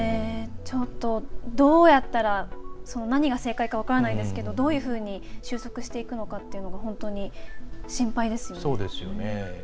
ちょっと、どうやったら何が正解か分からないですがどういうふうに収束していくかというのを本当に心配ですよね。